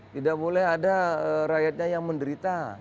tidak boleh ada rakyatnya yang menderita